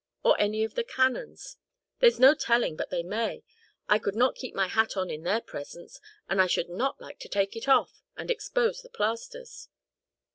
or any of the canons? There's no telling but they may. I could not keep my hat on in their presence; and I should not like to take it off, and expose the plasters."